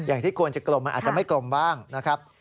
อย่างที่ควรจะกลมมันอาจจะไม่กลมบ้างนะครับ